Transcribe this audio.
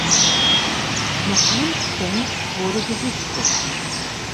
Noch ein Stenz wurde gesichtet.